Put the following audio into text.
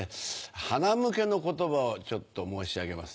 はなむけの言葉をちょっと申し上げます。